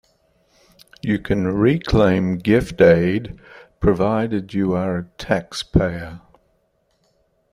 You can reclaim gift aid provided you are a taxpayer.